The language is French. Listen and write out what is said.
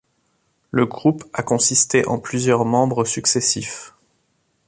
Le groupe a consisté en plusieurs membres successifs.